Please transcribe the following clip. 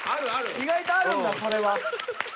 意外とあるんだこれは。